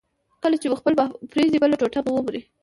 کله چي مو خپل محبوب پرېږدي، بله ټوټه مو ومري.